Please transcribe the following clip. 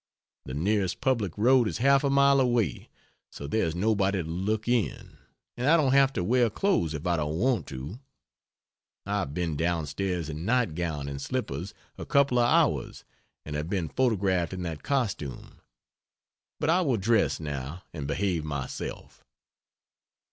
The nearest public road is half a mile away, so there is nobody to look in, and I don't have to wear clothes if I don't want to. I have been down stairs in night gown and slippers a couple of hours, and have been photographed in that costume; but I will dress, now, and behave myself.